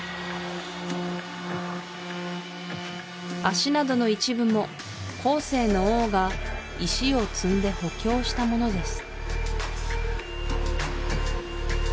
足などの一部も後世の王が石を積んで補強したものです